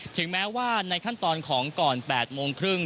ถึงแม้ว่าในขั้นตอนของก่อน๘โมงครึ่ง